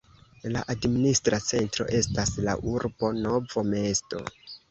La administra centro estas la urbo Novo mesto.